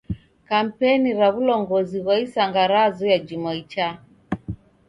Kampeni ra w'ulongozi ghwa isanga razoya juma ichaa.